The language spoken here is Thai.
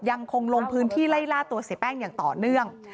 ยังคงลงพื้นที่ไล่ล่าตัวเสียแป้งอย่างต่อเนื่อง